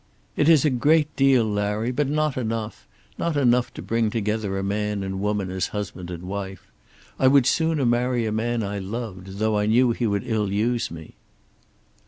"It is a great deal, Larry, but not enough; not enough to bring together a man and woman as husband and wife. I would sooner marry a man I loved, though I knew he would ill use me."